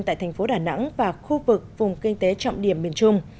tại tp đà nẵng và khu vực vùng kinh tế trọng điểm miền trung